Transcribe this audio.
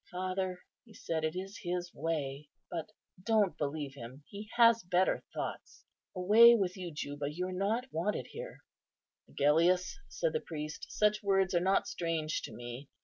"Father," he said, "it is his way, but don't believe him. He has better thoughts. Away with you, Juba, you are not wanted here." "Agellius," said the priest, "such words are not strange to me.